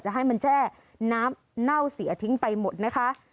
ให้มันแช่น้ำเน่าเสียทิ้งไปหมดนะคะ